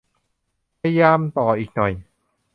พยายามต่ออีกหน่อย